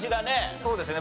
そうですね